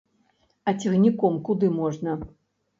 А цягніком куды можна?